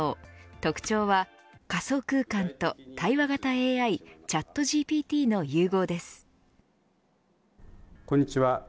特徴は、仮想空間と対話型ＡＩＣｈａｔＧＰＴの融合です。